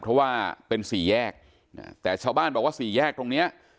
เพราะว่าเป็นสี่แยกแต่ชาวบ้านบอกว่าสี่แยกตรงเนี้ย